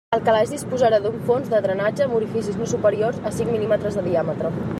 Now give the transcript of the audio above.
El calaix disposarà d'un fons de drenatge amb orificis no superiors a cinc mil·límetres de diàmetre.